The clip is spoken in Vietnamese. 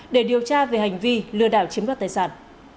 để điều tra về hành vi lừa đảo chiếm đoạt tài sản